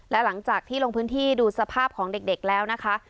และหลังจากที่ลงพื้นที่ดูสภาพของเด็กแล้วนะคะ